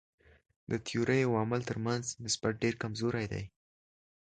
د تیورۍ او عمل تر منځ نسبت ډېر کمزوری دی.